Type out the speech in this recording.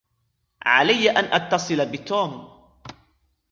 عليّ أن أتصل بتوم.